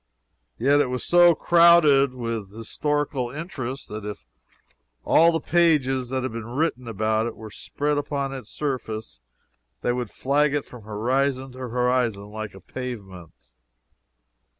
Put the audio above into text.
Yet it was so crowded with historical interest, that if all the pages that have been written about it were spread upon its surface, they would flag it from horizon to horizon like a pavement.